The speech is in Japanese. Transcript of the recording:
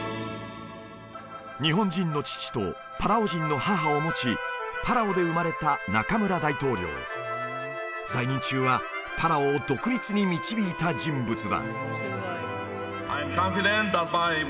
日本人の父とパラオ人の母を持ちパラオで生まれたナカムラ大統領在任中はパラオを独立に導いた人物だ